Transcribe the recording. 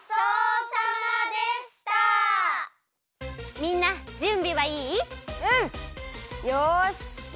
みんなじゅんびはいい？